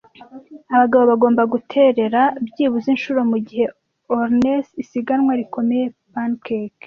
Abagabo bagomba guterera byibuze inshuro mugihe Olneys Isiganwa Rikomeye Pancake